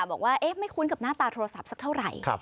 บอกว่าไม่คุ้นกับหน้าตาโทรศัพท์สักเท่าไหร่